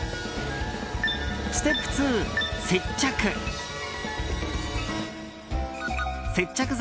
ステップ２、接着。